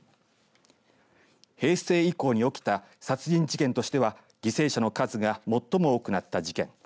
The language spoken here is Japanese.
平成以降に起きた殺人事件としては犠牲者の数が最も多くなった事件。